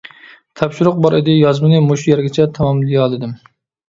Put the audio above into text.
تاپشۇرۇق بار ئىدى. يازمىنى مۇشۇ يەرگىچە تاماملىيالىدىم.